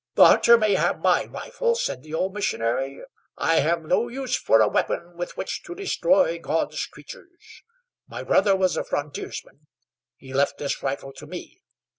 "The hunter may have my rifle," said the old missionary. "I have no use for a weapon with which to destroy God's creatures. My brother was a frontiersman; he left this rifle to me.